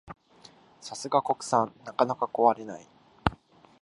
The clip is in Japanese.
さすが国産、なかなか壊れない